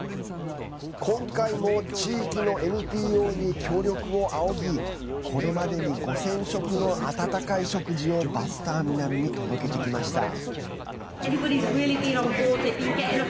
今回も地域のＮＰＯに協力を仰ぎこれまでに５０００食の温かい食事をバスターミナルに届けてきました。